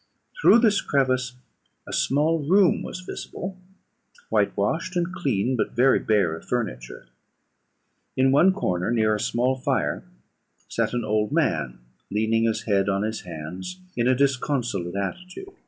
Through this crevice a small room was visible, whitewashed and clean, but very bare of furniture. In one corner, near a small fire, sat an old man, leaning his head on his hands in a disconsolate attitude.